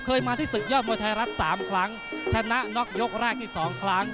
เคยมาที่ศึกยอดมวยไทยรัฐ๓ครั้งชนะน็อกยกแรกที่๒ครั้ง